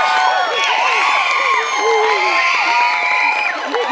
หมดสุภาพ